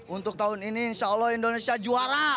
untuk tahun ini insya allah indonesia juara